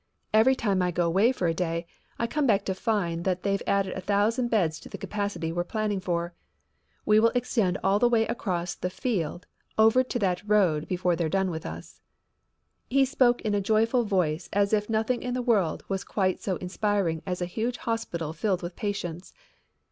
Every time I go 'way for a day I come back to find that they've added a thousand beds to the capacity we're planning for. We will extend all the way across the fields over to that road before they're done with us." He spoke in a joyful voice as if nothing in the world was quite so inspiring as a huge hospital filled with patients.